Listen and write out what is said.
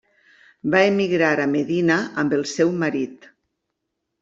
Va emigrar a Medina amb el seu marit.